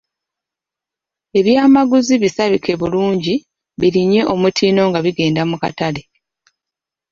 Eby’amaguzi bisabike bulungi birinnye omutindo nga bigenda mu katale.